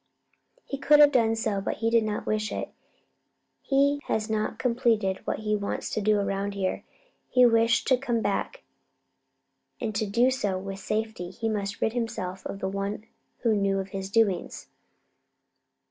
"He could have done so, but he did not wish it. He has not completed what he wants to do around here. He wished to come back, and to do so with safety he must rid himself of the one who knew of his doings."